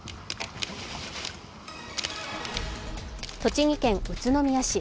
栃木県宇都宮市。